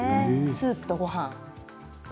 スープとごはん。